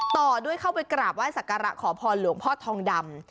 ต่อด้วยเข้าไปกราบไห้สักการะขอพรหลวงพ่อทองดำ